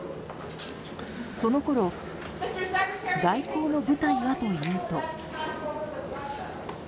そのころ外交の舞台はというと。